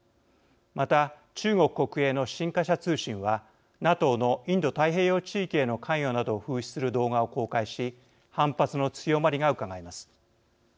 また、中国国営の新華社通信はＮＡＴＯのインド太平洋地域への関与などを風刺する動画を公開し反発の強まりがうかがえます。